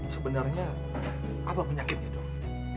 sebenarnya apa penyakitnya dok